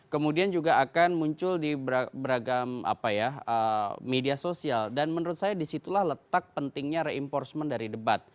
kemudian juga akan muncul di beragam media sosial dan menurut saya disitulah letak pentingnya reinforcement dari debat